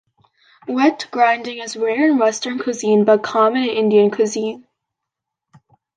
Wet grinding is rare in western cuisine but common in Indian cuisine.